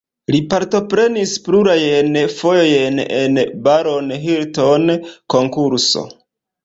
Li partoprenis plurajn fojojn en la Barron-Hilton-konkurso.